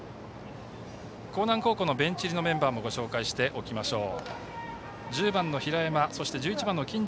興南高校のベンチ入りメンバーもご紹介しておきましょう。